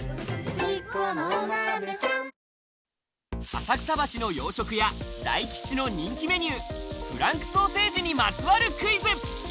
浅草橋の洋食屋、大吉の人気メニュー、フランクソーセージにまつわるクイズ。